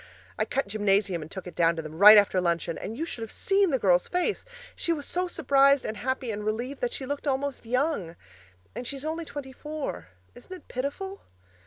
I cut gymnasium and took it down to them right after luncheon, and you should have seen the girl's face! She was so surprised and happy and relieved that she looked almost young; and she's only twenty four. Isn't it pitiful?